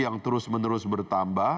yang terus menerus bertambah